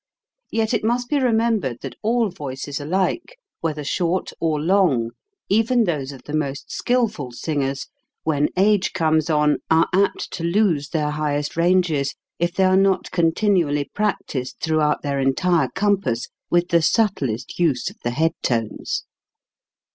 Yet it must be remembered that all voices alike, whether short or long, even those of the most skilful singers, when age comes on, are apt to lose their highest ranges, if they are not continually practised throughout their entire compass with the subtlest use of the head tones.